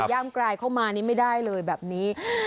ย่ามกลายเข้ามานี่ไม่ได้เลยแบบนี้